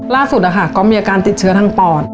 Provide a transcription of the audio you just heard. ล่าสุดก็มีอาการติดเชื้อทางปอด